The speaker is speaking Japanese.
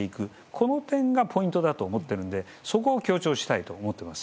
この点がポイントだと思っているのでそこを強調したいと思っております。